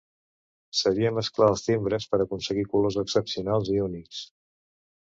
Sabia mesclar els timbres per aconseguir colors excepcionals i únics.